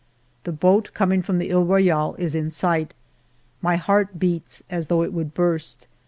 The boat coming from the He Royale is in sight. My heart beats as though it would burst.